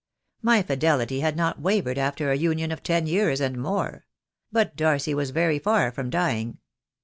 My fidelity had not wavered after a union of ten years and more — but Darcy was very far from dying.